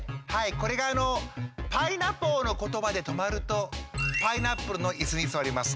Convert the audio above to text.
これが「パイナッポー」のことばで止まるとパイナップルのイスにすわります。